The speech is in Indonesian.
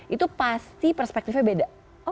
itu pasti perspektifnya beda